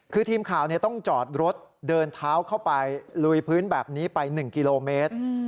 คือทีมข่าวต้องจอดรถเดินเท้าเข้าไปลุยพื้นแบบนี้ไป๑กิโลเมตร